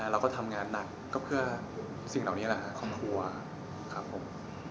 เราก็ทำงานหนักก็เพื่อสิ่งเหล่านี้แหละครับครอบครัวครับผม